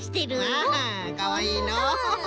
アハかわいいのう。